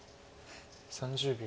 ３０秒。